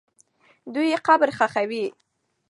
دوی یې قبر ښخوي.